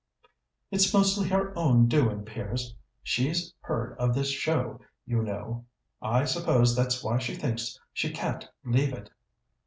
"It's mostly her own doing, Piers. She's head of this show, you know. I suppose that's why she thinks she can't leave it."